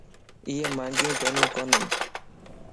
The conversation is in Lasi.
ايي مانجيون پينيون ڪونين